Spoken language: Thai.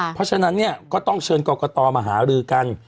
เพราะฉะนั้นเนี่ยก็ต้องเชิญกรกตมาหารือกัน